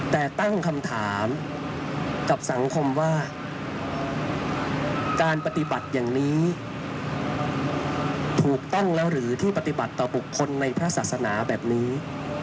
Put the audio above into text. แต่ตั้งคำถามกับสังคมว่าการปฏิบัติอย่างนี้ถูกต้องแล้วหรือที่ปฏิบัติต่อบุคคลในพระศาสนาแบบนี้